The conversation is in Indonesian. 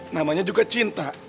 namanya juga cinta